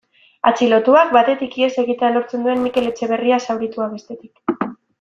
Atxilotuak, batetik, ihes egitea lortzen duen Mikel Etxeberria zauritua, bestetik.